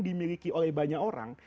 dimiliki oleh banyak orang